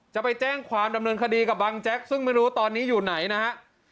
จะไปแจ้งความดำเนินคดีกับบังแจ๊กซึ่งไม่รู้ตอนนี้อยู่ไหนนะฮะ